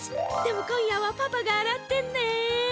でも今夜はパパがあらってね！